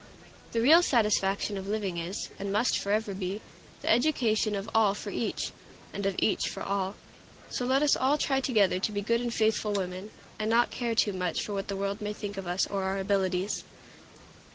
The real satisfaction of living is, and must forever be, the education of all for each, and of each for all. So let us all try together to be good and faithful women, and not care too much for what the world may think of us or of our abilities!